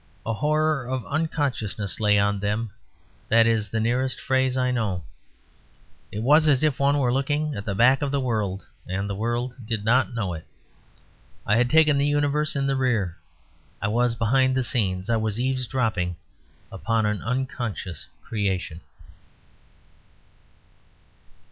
A horror of unconsciousness lay on them; that is the nearest phrase I know. It was as if one were looking at the back of the world; and the world did not know it. I had taken the universe in the rear. I was behind the scenes. I was eavesdropping upon an unconscious creation.